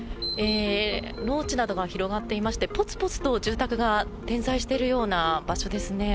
農地などが広がっていましてぽつぽつと住宅が点在しているような場所ですね。